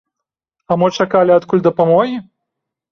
А мо чакалі адкуль дапамогі?